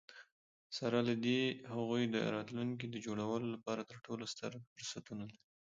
سره له دي، هغوی د راتلونکي د جوړولو لپاره تر ټولو ستر فرصتونه لري.